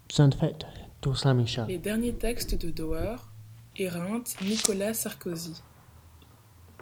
Les derniers textes de Dauer éreintent Nicolas Sarkozy.